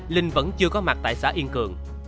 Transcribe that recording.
linh vẫn chưa có mặt tại xã yên cường